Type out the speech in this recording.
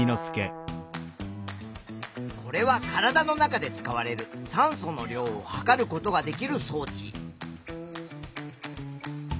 これは体の中で使われる酸素の量を測ることができる装置。